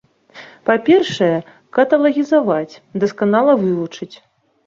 Па-першае, каталагізаваць, дасканала вывучыць.